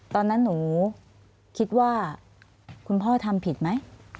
ตอนนั้นหนูคิดว่าคุณพ่อทำผิดไหม